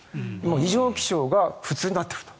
異常気象が普通になっていると。